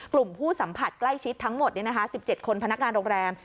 กลุ่มผู้สัมผัสใกล้ชิดทั้งหมด๑๗คนพนักงานโรงแรม